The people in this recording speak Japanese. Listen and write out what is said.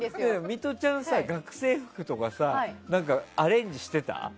ミトちゃんさ、学生服とかアレンジしてた？